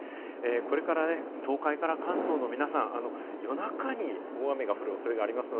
これから東海から関東の皆さん、夜中に大雨が降る恐れがあります。